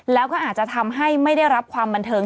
แล้วก็อาจจะทำให้ไม่ได้รับความบันเทิง